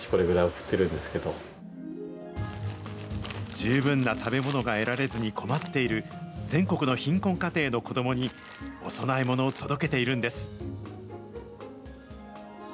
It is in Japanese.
十分な食べ物が得られずに困っている、全国の貧困家庭の子どもに、お供えものを届けているんです。